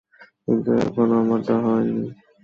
কিন্তু এখন আমার তা হয় না।